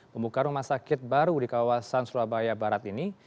membuka rumah sakit baru di kawasan surabaya barat ini